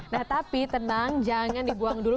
nah tapi tenang jangan dibuang dulu